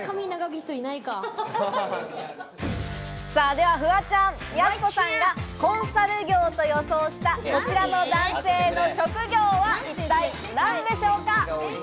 ではフワちゃん、やす子さんがコンサル業と予想したこちらの男性の職業は一体何でしょうか？